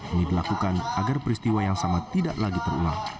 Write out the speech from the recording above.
ini dilakukan agar peristiwa yang sama tidak lagi terulang